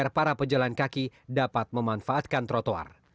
dan juga agar para pejalan kaki dapat memanfaatkan trotoar